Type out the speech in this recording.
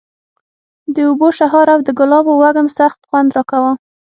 د اوبو شرهار او د ګلابو وږم سخت خوند راکاوه.